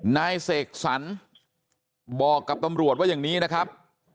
นายเสกสรรบอกกับตำรวจว่าอย่างนี้นะครับ